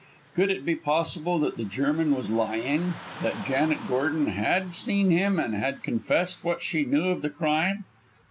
Could it be possible that the German was lying; that Janet Gordon had seen him, and had confessed what she knew of the crime?